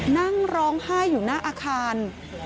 นั่งร้องไห้อยู่หน้าอาคาร